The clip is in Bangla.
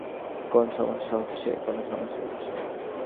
কোন সমস্যা হচ্ছে?